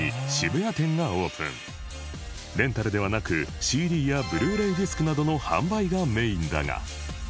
レンタルではなく ＣＤ やブルーレイディスクなどの販売がメインだが